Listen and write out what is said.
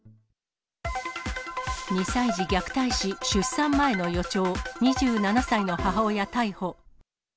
２歳児虐待死、出産前の予兆、２７歳の母親逮捕。